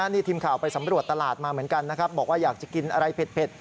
นี่ทีมข่าวไปสำรวจตลาดมาเหมือนกันนะครับบอกว่าอยากจะกินอะไรเผ็ด